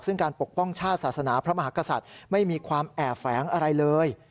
ซึ่งการปกป้องชาติศาสนาพระมหากษัตริย์ไม่มีความแอบแฝงอะไรเลย